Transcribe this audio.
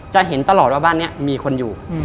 เห็นตลอดว่าบ้านนี้มีคนอยู่